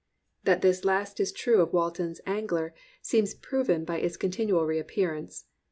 That this last is true of Walton's Angler seems proven by its continual reappearance.